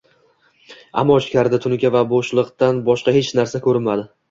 Ammo ichkarida tunuka va boʻshliqdan boshqa hech narsa koʻrinmadi.